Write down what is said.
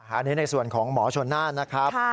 อันนี้ในส่วนของหมอชนน่านนะครับ